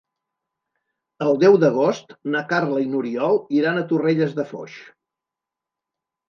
El deu d'agost na Carla i n'Oriol iran a Torrelles de Foix.